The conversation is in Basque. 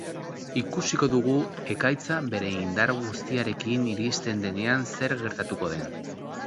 Ikusiko dugu ekaitza bere indar guztiarekin iristen denean zer gertatuko den.